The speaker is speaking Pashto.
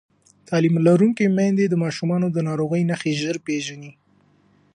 تعلیم لرونکې میندې د ماشومانو د ناروغۍ نښې ژر پېژني